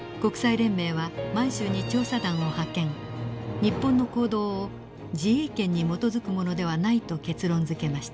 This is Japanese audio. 日本の行動を自衛権に基づくものではないと結論づけました。